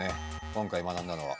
今回学んだのは。